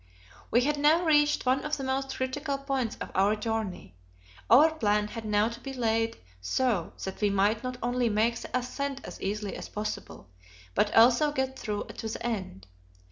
We had now reached one of the most critical points of our journey. Our plan had now to be laid so that we might not only make the ascent as easily as possible, but also get through to the end.